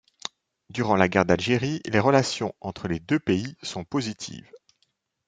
Durant la guerre d'Algérie, les relations entre les deux pays sont positives.